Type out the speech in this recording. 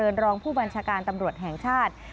รองผู้บัญชาการตำรวจแห่งชาติ